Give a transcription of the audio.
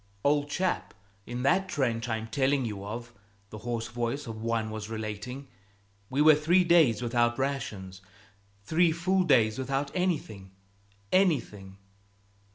"Old chap, in that trench I'm telling you of," the hoarse voice of one was relating, "we were three days without rations, three full days without anything anything.